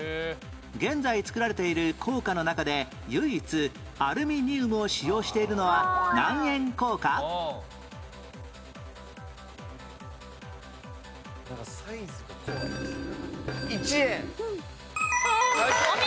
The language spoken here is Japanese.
現在つくられている硬貨の中で唯一アルミニウムを使用しているのは何円硬貨？なんかサイズ。